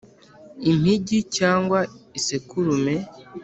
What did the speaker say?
Impigi cyangwa isekurume